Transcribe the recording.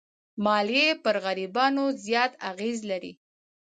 مالیې پر غریبانو زیات اغېز لري.